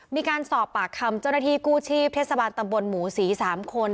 มีการสอบปากคำเจ้าหน้าที่กู้ชีพเทศบาลตำบลหมูศรี๓คน